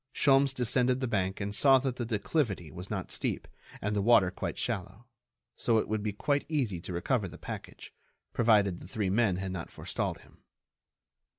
Sholmes descended the bank and saw that the declivity was not steep and the water quite shallow, so it would be quite easy to recover the package, provided the three men had not forestalled him.